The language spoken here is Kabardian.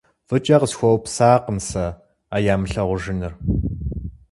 ФӀыкӀэ къысхуэупсакъым сэ а ямылъагъужыныр.